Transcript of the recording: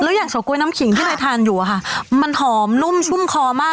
แล้วอย่างเฉก๊วยน้ำขิงที่เลยทานอยู่อะค่ะมันหอมนุ่มชุ่มคอมาก